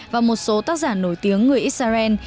và một số tác giả nổi tiếng người israel